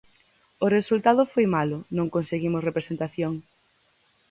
O resultado foi malo, non conseguimos representación.